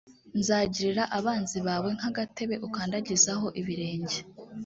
nzagirira abanzi bawe nk agatebe ukandagizaho ibirenge